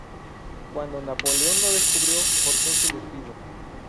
Cuando Napoleón lo descubrió, forzó su despido.